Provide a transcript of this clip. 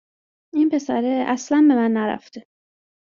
این پسره اصلن به من نرفته